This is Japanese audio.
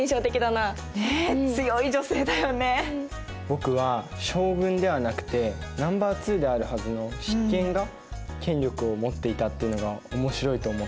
僕は将軍ではなくてナンバーツーであるはずの執権が権力を持っていたっていうのが面白いと思った。